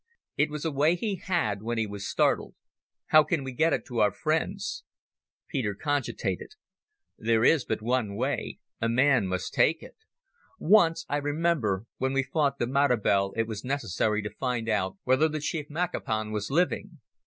It was a way he had when he was startled. "How can we get it to our friends?" Peter cogitated. "There is but one way. A man must take it. Once, I remember, when we fought the Matabele it was necessary to find out whether the chief Makapan was living.